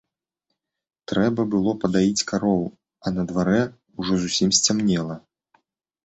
Трэба было падаіць карову, а на дварэ ўжо зусім сцямнела.